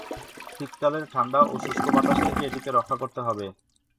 শীতকালের ঠান্ডা ও শুষ্ক বাতাস থেকে এটিকে রক্ষা করতে হবে।